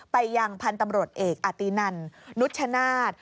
ไปยังพันธุ์ตำรวจเอกอตินันนุชชนาธิ์